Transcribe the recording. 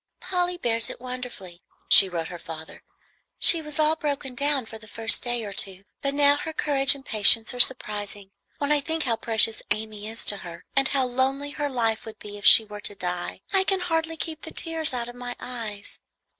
"Polly bears it wonderfully," she wrote her father; "she was all broken down for the first day or two, but now her courage and patience are surprising. When I think how precious Amy is to her and how lonely her life would be if she were to die, I can hardly keep the tears out of my eyes.